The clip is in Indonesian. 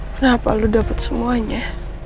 kenapa lo dapet semuanya